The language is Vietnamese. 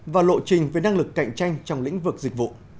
và lộ trình về năng lực cạnh tranh trong lĩnh vực dịch vụ